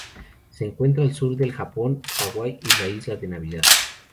Se encuentra al sur del Japón, Hawaii y la Isla de Navidad.